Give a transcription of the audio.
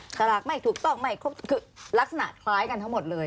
สลากไม่ถูกต้องไม่ครบคือลักษณะคล้ายกันทั้งหมดเลย